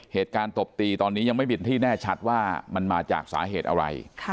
เหตุการณ์ตบตีตอนนี้ยังไม่มีที่แน่ชัดว่ามันมาจากสาเหตุอะไร